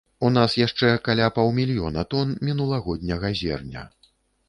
У нас яшчэ каля паўмільёна тон мінулагодняга зерня.